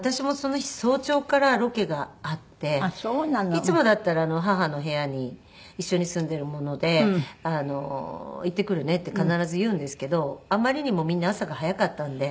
いつもだったら母の部屋に一緒に住んでいるもので「行ってくるね」って必ず言うんですけどあまりにもみんな朝が早かったんで。